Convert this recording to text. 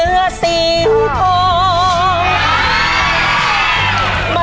ยนตรอง